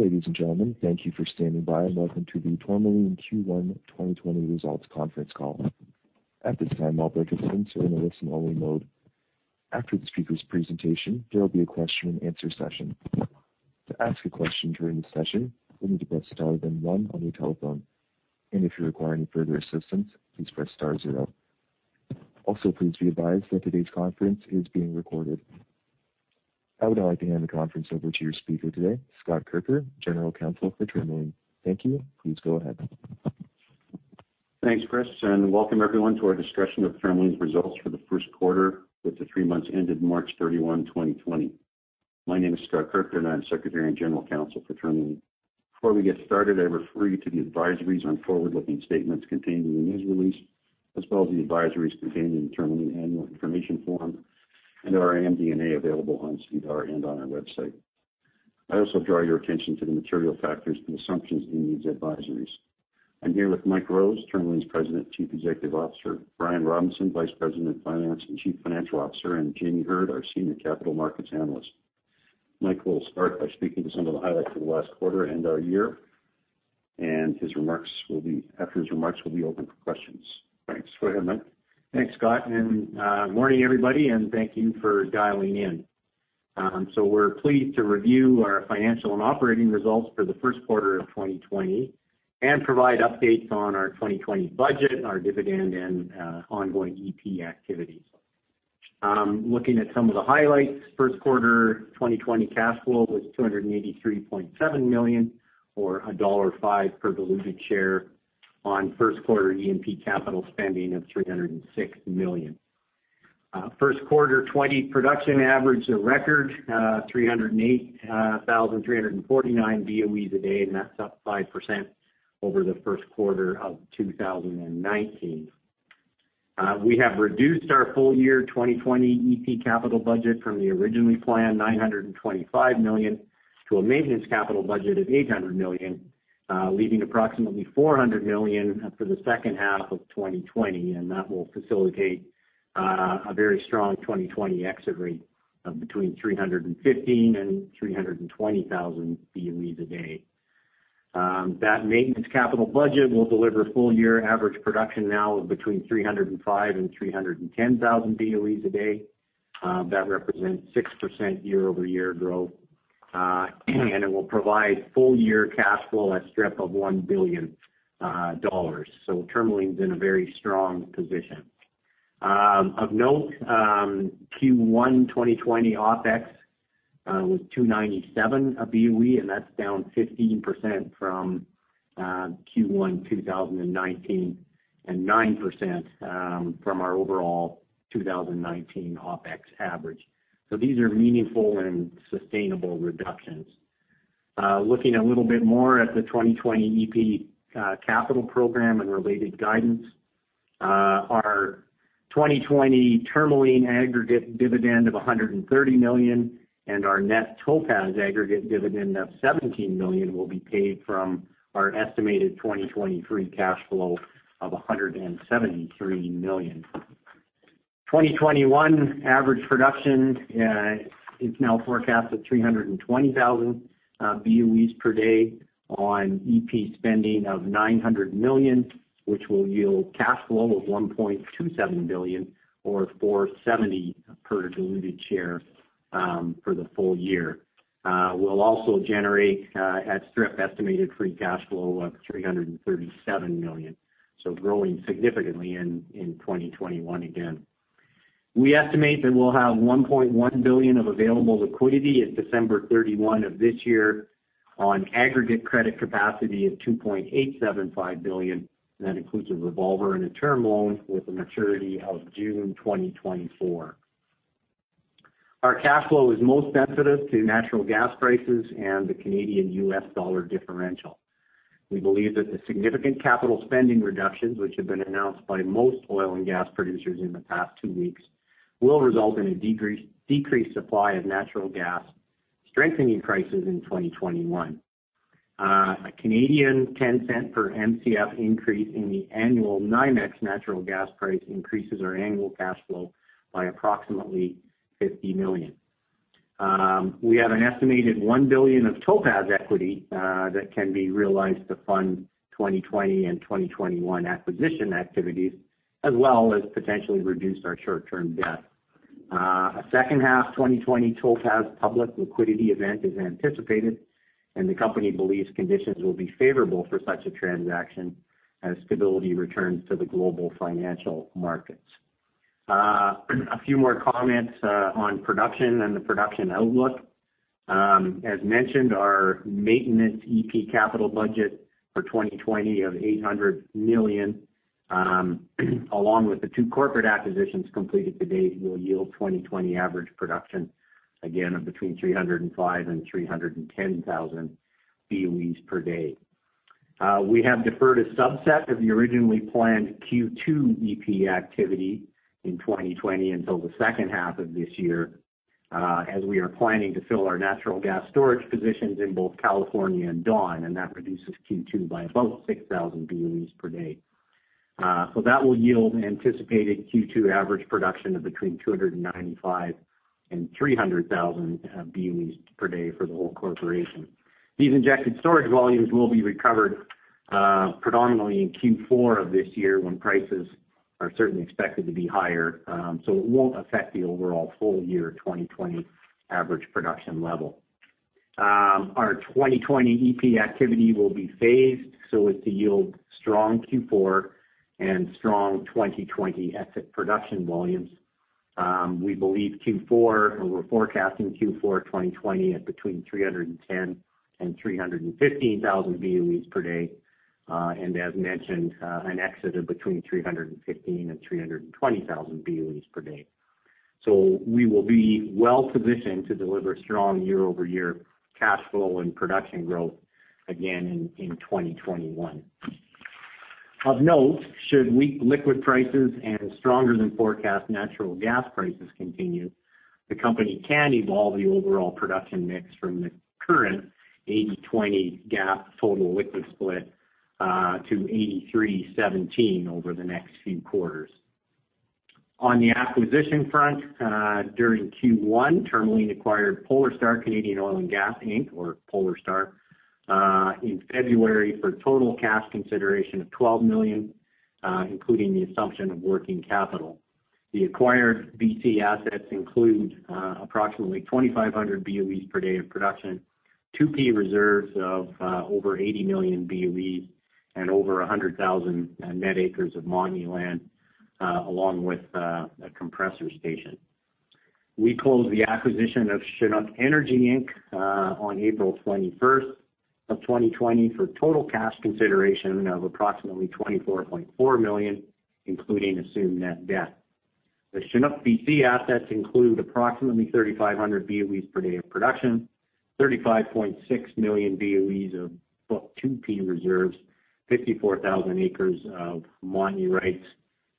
Ladies and gentlemen, thank you for standing by and welcome to the Tourmaline Q1 2020 results conference call. At this time, all participants are in a listen-only mode. After the speaker's presentation, there will be a question-and-answer session. To ask a question during the session, you'll need to press star then one on your telephone. And if you require any further assistance, please press star zero. Also, please be advised that today's conference is being recorded. I would now like to hand the conference over to your speaker today, Scott Kirker, General Counsel for Tourmaline. Thank you. Please go ahead. Thanks, Chris. Welcome everyone to our discussion of Tourmaline's results for the first quarter, with the three months ended March 31, 2020. My name is Scott Kirker, and I'm Secretary and General Counsel for Tourmaline. Before we get started, I refer you to the advisories on forward-looking statements contained in the news release, as well as the advisories contained in the Tourmaline annual information form and our MD&A available on SEDAR and on our website. I also draw your attention to the material factors and assumptions in these advisories. I'm here with Mike Rose, Tourmaline's President and Chief Executive Officer, Brian Robinson, Vice President, Finance and Chief Financial Officer, and Jamie Heard, our Senior Capital Markets Analyst. Mike will start by speaking to some of the highlights of the last quarter and our year. After his remarks, we'll be open for questions. Thanks. Go ahead, Mike. Thanks, Scott. Good morning, everybody, and thank you for dialing in, so we're pleased to review our financial and operating results for the first quarter of 2020 and provide updates on our 2020 budget, our dividend, and ongoing E&P activities. Looking at some of the highlights, first quarter 2020 cash flow was 283.7 million, or dollar 1.05 per diluted share on first quarter E&P capital spending of 306 million. First quarter 2020 production averaged a record 308,349 BOEs a day, and that's up 5% over the first quarter of 2019. We have reduced our full year 2020 E&P capital budget from the originally planned 925 million to a maintenance capital budget of 800 million, leaving approximately 400 million for the second half of 2020, and that will facilitate a very strong 2020 exit rate of between 315,000 and 320,000 BOEs a day. That maintenance capital budget will deliver full year average production now of between 305,000 and 310,000 BOEs a day. That represents 6% year-over-year growth, and it will provide full year cash flow at a strip of 1 billion dollars, so Tourmaline's in a very strong position. Of note, Q1 2020 OpEx was 2.97 a BOE, and that's down 15% from Q1 2019 and 9% from our overall 2019 OpEx average, so these are meaningful and sustainable reductions. Looking a little bit more at the 2020 EP capital program and related guidance, our 2020 Tourmaline aggregate dividend of 130 million and our net Topaz aggregate dividend of 17 million will be paid from our estimated 2023 cash flow of 173 million. 2021 average production is now forecast at 320,000 BOEs per day on E&P spending of 900 million, which will yield cash flow of 1.27 billion, or 4.70 per diluted share for the full year. We'll also generate at strip-estimated free cash flow of 337 million, so growing significantly in 2021 again. We estimate that we'll have 1.1 billion of available liquidity at December 31 of this year on aggregate credit capacity of 2.875 billion, and that includes a revolver and a term loan with a maturity of June 2024. Our cash flow is most sensitive to natural gas prices and the Canadian US dollar differential. We believe that the significant capital spending reductions, which have been announced by most oil and gas producers in the past two weeks, will result in a decreased supply of natural gas, strengthening prices in 2021. A Canadian US $0.10 per MCF increase in the annual NYMEX natural gas price increases our annual cash flow by approximately 50 million. We have an estimated 1 billion of Topaz equity that can be realized to fund 2020 and 2021 acquisition activities, as well as potentially reduce our short-term debt. A second half 2020 Topaz public liquidity event is anticipated, and the company believes conditions will be favorable for such a transaction as stability returns to the global financial markets. A few more comments on production and the production outlook. As mentioned, our maintenance E&P capital budget for 2020 of 800 million, along with the two corporate acquisitions completed to date, will yield 2020 average production, again, of between 305,000 and 310,000 BOEs per day. We have deferred a subset of the originally planned Q2 EP activity in 2020 until the second half of this year, as we are planning to fill our natural gas storage positions in both California and Dawn. And that reduces Q2 by about 6,000 BOEs per day. So that will yield anticipated Q2 average production of between 295,000 and 300,000 BOEs per day for the whole corporation. These injected storage volumes will be recovered predominantly in Q4 of this year when prices are certainly expected to be higher. So it won't affect the overall full year 2020 average production level. Our 2020 EP activity will be phased so as to yield strong Q4 and strong 2020 exit production volumes. We believe Q4, or we're forecasting Q4 2020, at between 310,000 and 315,000 BOEs per day. And as mentioned, an exit of between 315,000 and 320,000 BOEs per day. We will be well positioned to deliver strong year-over-year cash flow and production growth again in 2021. Of note, should liquid prices and stronger than forecast natural gas prices continue, the company can evolve the overall production mix from the current 80/20 gas total liquid split to 83/17 over the next few quarters. On the acquisition front, during Q1, Tourmaline acquired Polar Star Canadian Oil & Gas Inc., or Polar Star, in February for total cash consideration of 12 million, including the assumption of working capital. The acquired Northeast BC assets include approximately 2,500 BOEs per day of production, 2P reserves of over 80 million BOEs, and over 100,000 net acres of Montney land, along with a compressor station. We closed the acquisition of Chinook Energy Inc. on April 21st of 2020 for total cash consideration of approximately 24.4 million, including assumed net debt. The Chinook assets include approximately 3,500 BOEs per day of production, 35.6 million BOEs of book 2P reserves, 54,000 acres of Montney rights,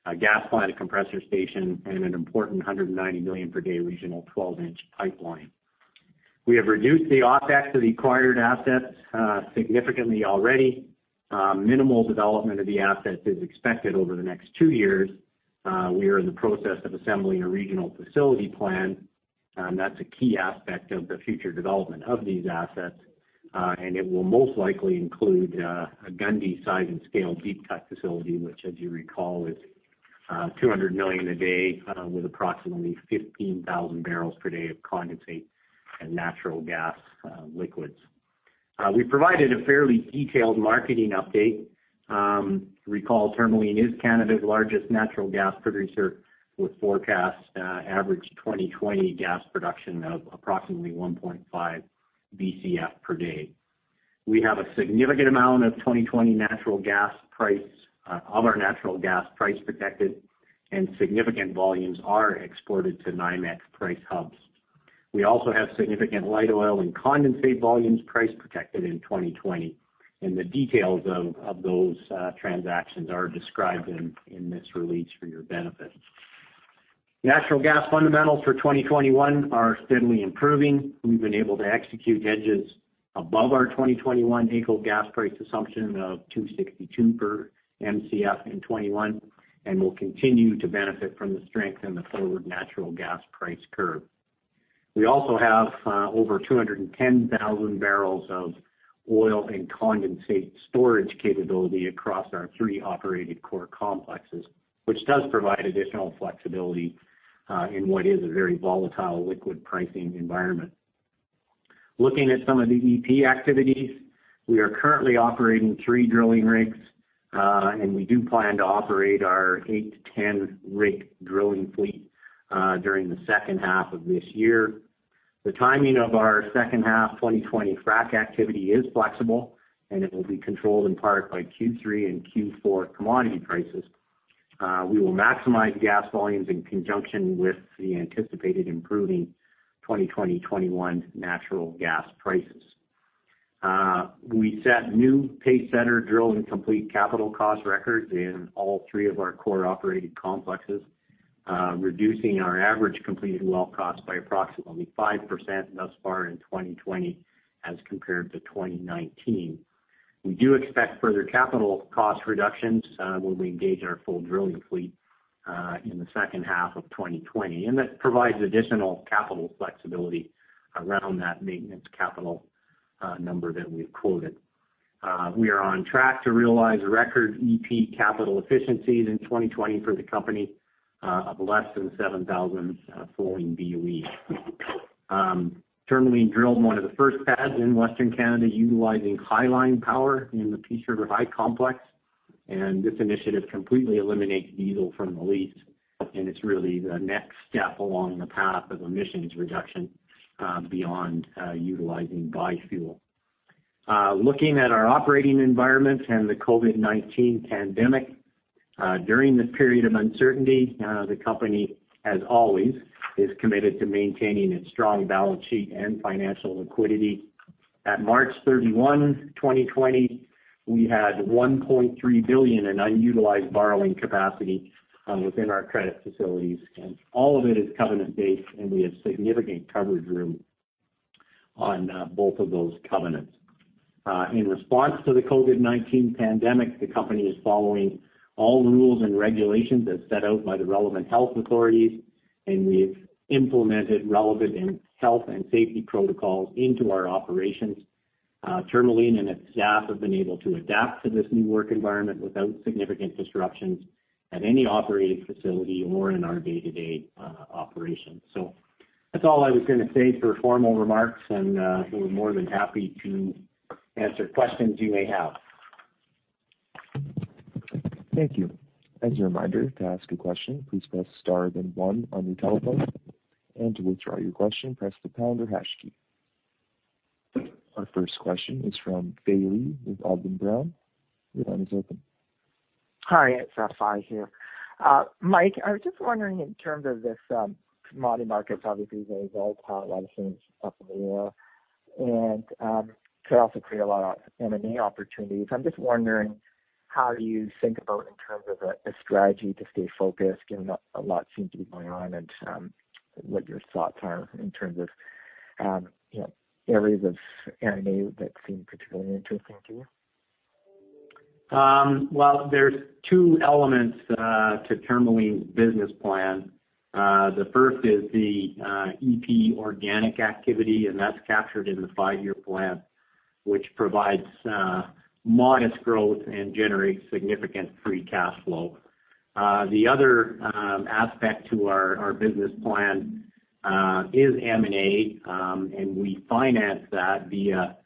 a gas plant and compressor station, and an important 190 million per day regional 12-inch pipeline. We have reduced the OPEX of the acquired assets significantly already. Minimal development of the assets is expected over the next two years. We are in the process of assembling a regional facility plan. That's a key aspect of the future development of these assets, and it will most likely include a Gundy size and scale deep cut facility, which, as you recall, is 200 million a day with approximately 15,000 barrels per day of condensate and natural gas liquids. We provided a fairly detailed marketing update. Recall, Tourmaline is Canada's largest natural gas producer, with forecast average 2020 gas production of approximately 1.5 BCF per day. We have a significant amount of 2020 natural gas price of our natural gas price protected, and significant volumes are exported to NYMEX price hubs. We also have significant light oil and condensate volumes price protected in 2020. The details of those transactions are described in this release for your benefit. Natural gas fundamentals for 2021 are steadily improving. We've been able to execute hedges above our 2021 AECO gas price assumption of 2.62 per MCF in 2021 and will continue to benefit from the strength in the forward natural gas price curve. We also have over 210,000 barrels of oil and condensate storage capability across our three operated core complexes, which does provide additional flexibility in what is a very volatile liquid pricing environment. Looking at some of the E&P activities, we are currently operating three drilling rigs, and we do plan to operate our 8-10 rig drilling fleet during the second half of this year. The timing of our second half 2020 frac activity is flexible, and it will be controlled in part by Q3 and Q4 commodity prices. We will maximize gas volumes in conjunction with the anticipated improving 2020-21 natural gas prices. We set new pacesetter drill and complete capital cost records in all three of our core operated complexes, reducing our average completed well cost by approximately 5% thus far in 2020 as compared to 2019. We do expect further capital cost reductions when we engage our full drilling fleet in the second half of 2020, and that provides additional capital flexibility around that maintenance capital number that we've quoted. We are on track to realize record E&P capital efficiencies in 2020 for the company of less than 7,000 flowing BOEs. Tourmaline drilled one of the first pads in Western Canada utilizing highline power in the Peace River High Complex, and this initiative completely eliminates diesel from the lease, and it's really the next step along the path of emissions reduction beyond utilizing bi-fuel. Looking at our operating environment and the COVID-19 pandemic, during this period of uncertainty, the company, as always, is committed to maintaining its strong balance sheet and financial liquidity. At March 31, 2020, we had 1.3 billion in unutilized borrowing capacity within our credit facilities, and all of it is covenant-based, and we have significant coverage room on both of those covenants. In response to the COVID-19 pandemic, the company is following all rules and regulations as set out by the relevant health authorities, and we've implemented relevant health and safety protocols into our operations. Tourmaline and its staff have been able to adapt to this new work environment without significant disruptions at any operated facility or in our day-to-day operations. So that's all I was going to say for formal remarks, and we're more than happy to answer questions you may have. Thank you. As a reminder, to ask a question, please press star then one on your telephone. And to withdraw your question, press the pound or hash key. Our first question is from Rafi Khouri with AltaCorp Capital Inc. Your line is open. Hi, it's Rafi Khouri here. Mike, I was just wondering in terms of this commodity market. Obviously, there's all a lot of things up in the air, and it could also create a lot of M&A opportunities. I'm just wondering how you think about in terms of a strategy to stay focused given a lot seems to be going on and what your thoughts are in terms of areas of M&A that seem particularly interesting to you. Well, there's two elements to Tourmaline's business plan. The first is the E&P organic activity, and that's captured in the five-year plan, which provides modest growth and generates significant free cash flow. The other aspect to our business plan is M&A, and we finance that via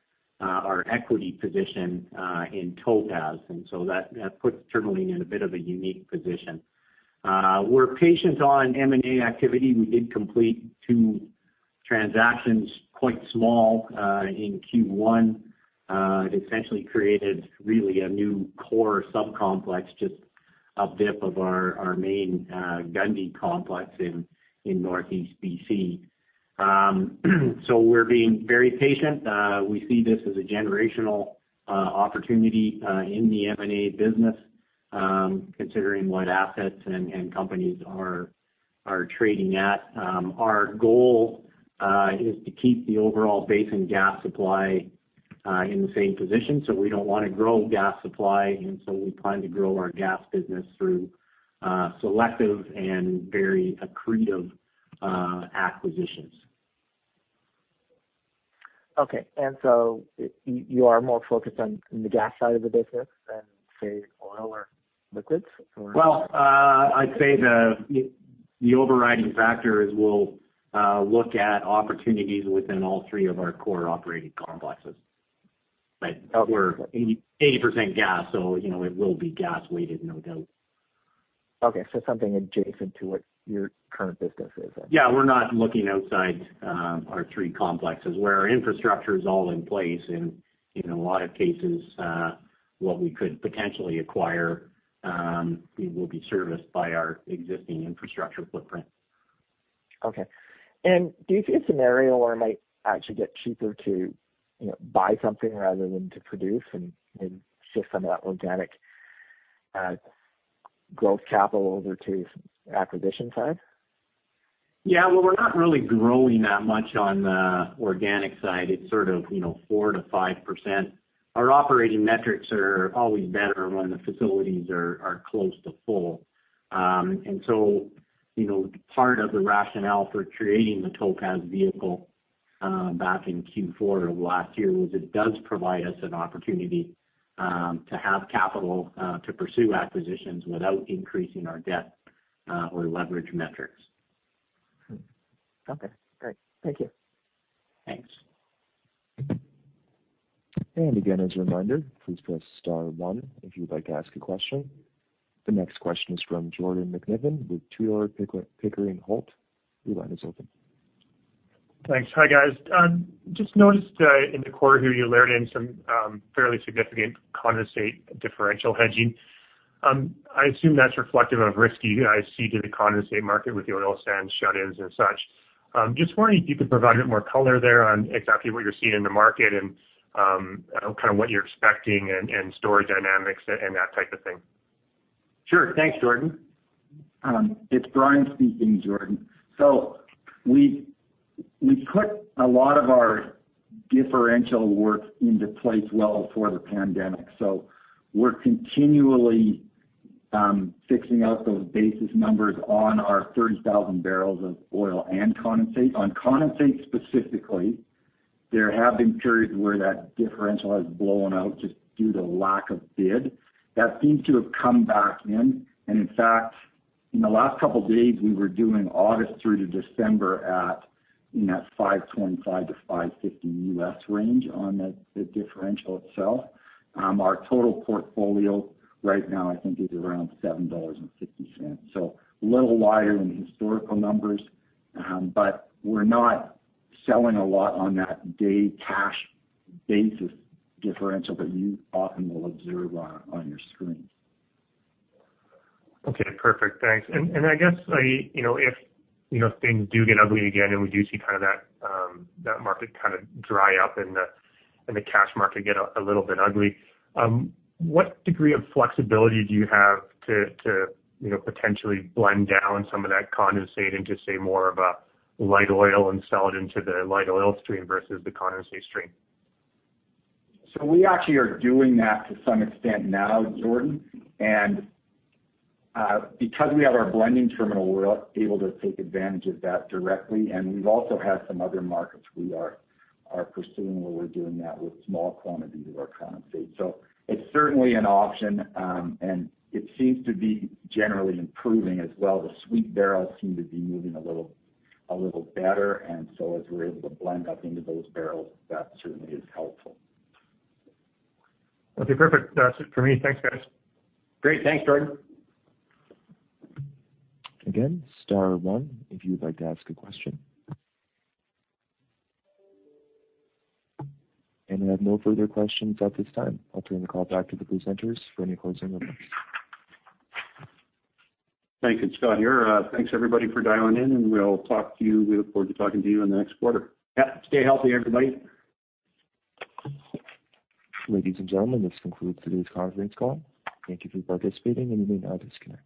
our equity position in TOPAZ. And so that puts Tourmaline in a bit of a unique position. We're patient on M&A activity. We did complete two transactions quite small in Q1. It essentially created really a new core subcomplex just up dip of our main Gundy complex in Northeast BC. So we're being very patient. We see this as a generational opportunity in the M&A business, considering what assets and companies are trading at. Our goal is to keep the overall base in gas supply in the same position. So we don't want to grow gas supply. And so we plan to grow our gas business through selective and very accretive acquisitions. Okay. And so you are more focused on the gas side of the business than, say, oil or liquids? Well, I'd say the overriding factor is we'll look at opportunities within all three of our core operating complexes. But we're 80% gas, so it will be gas-weighted, no doubt. Okay. So something adjacent to what your current business is. Yeah. We're not looking outside our three complexes. Where our infrastructure is all in place, in a lot of cases, what we could potentially acquire will be serviced by our existing infrastructure footprint. Okay. And do you see a scenario where it might actually get cheaper to buy something rather than to produce and shift some of that organic growth capital over to acquisition side? Yeah. Well, we're not really growing that much on the organic side. It's sort of 4%-5%. Our operating metrics are always better when the facilities are close to full. And so part of the rationale for creating the Topaz vehicle back in Q4 of last year was it does provide us an opportunity to have capital to pursue acquisitions without increasing our debt or leverage metrics. Okay. Great. Thank you. Thanks. And again, as a reminder, please press star one if you'd like to ask a question. The next question is from Jordan McNiven with Tudor, Pickering, Holt. Your line is open. Thanks. Hi, guys. Just noticed in the quarter here, you layered in some fairly significant condensate differential hedging. I assume that's reflective of the risk that I see to the condensate market with the oil sand shut-ins and such. Just wondering if you could provide a bit more color there on exactly what you're seeing in the market and kind of what you're expecting and storage dynamics and that type of thing. Sure. Thanks, Jordan. It's Brian speaking, Jordan. So we put a lot of our differential work into place well before the pandemic. So we're continually fixing out those basis numbers on our 30,000 barrels of oil and condensate. On condensate specifically, there have been periods where that differential has blown out just due to lack of bid. That seems to have come back in. And in fact, in the last couple of days, we were doing August through to December at, in that 525-550 USD range on the differential itself. Our total portfolio right now, I think, is around $7.50. So a little wider in historical numbers, but we're not selling a lot on that day cash basis differential that you often will observe on your screens. Okay. Perfect. Thanks. And I guess if things do get ugly again and we do see kind of that market kind of dry up and the cash market get a little bit ugly, what degree of flexibility do you have to potentially blend down some of that condensate into, say, more of a light oil and sell it into the light oil stream versus the condensate stream? So we actually are doing that to some extent now, Jordan. And because we have our blending terminal, we're able to take advantage of that directly. And we've also had some other markets we are pursuing where we're doing that with small quantities of our condensate. So it's certainly an option. And it seems to be generally improving as well. The sweet barrels seem to be moving a little better. And so as we're able to blend up into those barrels, that certainly is helpful. Okay. Perfect. That's it for me. Thanks, guys. Great. Thanks, Jordan. Again, star one if you'd like to ask a question. And we have no further questions at this time. I'll turn the call back to the presenters for any closing remarks. Thank you, Scott. Thanks, everybody, for dialing in. And we'll talk to you. We look forward to talking to you in the next quarter. Yep. Stay healthy, everybody. Ladies and gentlemen, this concludes today's conference call. Thank you for participating, and you may now disconnect.